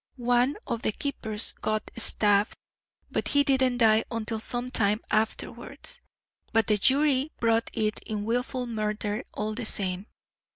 One of the keepers got stabbed, but he didn't die until some time afterwards; but the jury brought it in wilful murder all the same.